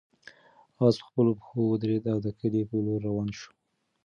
آس په خپلو پښو ودرېد او د کلي په لور روان شو.